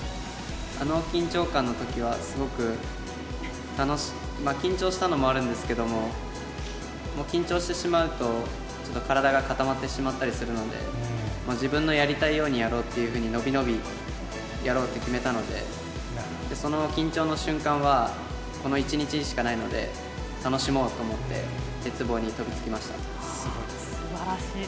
あの緊張感のときは、すごく、緊張したのもあるんですけれども、緊張してしまうと、ちょっと体が固まってしまったりするので、自分のやりたいようにやろうというふうに、伸び伸びやろうって決めたので、その緊張の瞬間は、この一日しかないので、楽しもうと思って、すばらしい。